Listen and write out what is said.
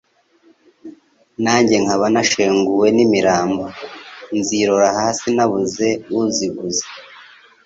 Nanjye nkaba nashenguwe n' imirambo, Nzirora hasi nabuze uziguza !